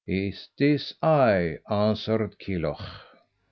"It is I," answered Kilhuch.